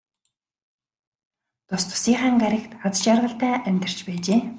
Тус тусынхаа гаригт аз жаргалтай амьдарч байжээ.